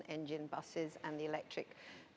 dengan bus elektrik